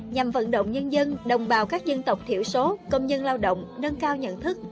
nhằm vận động nhân dân đồng bào các dân tộc thiểu số công nhân lao động nâng cao nhận thức